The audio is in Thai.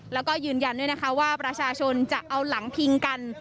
แล้วก็ยืนยันด้วยนะคะว่าประชาชนจะเอาหลังพิงกัน